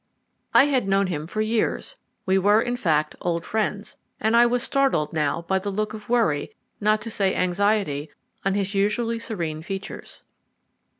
I had known him for years we were, in fact, old friends and I was startled now by the look of worry, not to say anxiety, on his usually serene features.